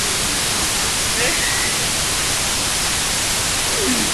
sisi wote wa siku ya pili kunyakua